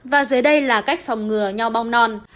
và dưới đây là cách phòng ngừa nho bong non